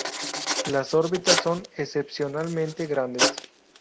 Las órbitas son excepcionalmente grandes.